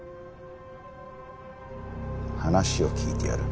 話を聞いてやる。